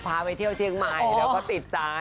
พาไปเที่ยวเชียงใหม่แล้วก็ติดใจ